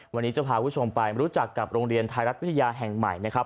วันนี้จะพาคุณผู้ชมไปรู้จักกับโรงเรียนไทยรัฐวิทยาแห่งใหม่นะครับ